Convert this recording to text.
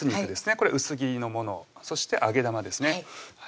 これ薄切りのものそして揚げ玉ですね